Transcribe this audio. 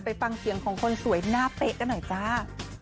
ไปฟังเสียงของคนสวยหน้าเป๊ะกันหน่อยจ้า